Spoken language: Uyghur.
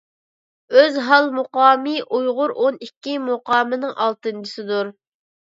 ئۆزھال مۇقامى ئۇيغۇر ئون ئىككى مۇقامىنىڭ ئالتىنچىسىدۇر.